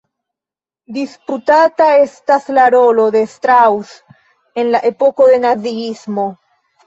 Disputata estas la rolo de Strauss en la epoko de naziismo.